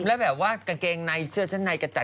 แล้วแบบว่ากางเกงในเสื้อชั้นในกระจัด